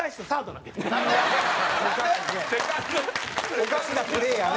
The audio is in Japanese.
おかしなプレーやね。